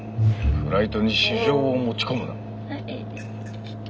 フライトに私情を持ち込むな！